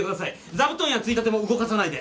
座布団やついたても動かさないで。